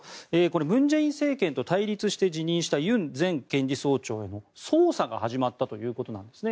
文在寅政権と対立して辞任したユン前検事総長の捜査が始まったということなんですね。